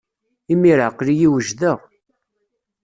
Imir-a, aql-iyi wejdeɣ.